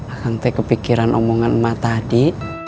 akang teh kepikiran omongan emak tadi